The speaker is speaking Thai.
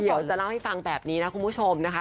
เดี๋ยวจะเล่าให้ฟังแบบนี้นะคุณผู้ชมนะคะ